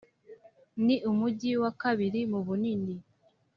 Ni umugi wa kabiri mu bunini